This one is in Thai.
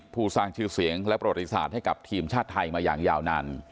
ผู้สร้างชื่อเสียงและประวัติศาสตร์ให้กับทีมชาติไทยมาอย่างยาวนาน